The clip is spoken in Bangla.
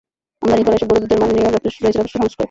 আমদানি করা এসব গুঁড়া দুধের মান নিয়েও রয়েছে যথেষ্ট সংশয়।